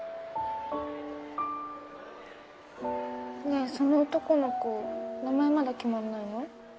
ねえその男の子名前まだ決まらないの？